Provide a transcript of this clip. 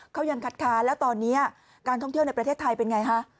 เขายังคัดค้านแล้วตอนนี้การท่องเที่ยวในประเทศไทยเป็นไงฮะ